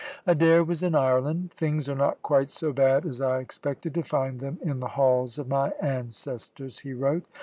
Adair was in Ireland. "Things are not quite so bad as I expected to find them in the halls of my ancestors," he wrote.